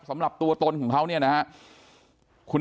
สำหรับตัวตนของเขาเนี่ยนะครับ